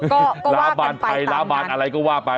ก็ว่ากันไปตามนั้นล้าบานไทยล้าบานอะไรก็ว่าไป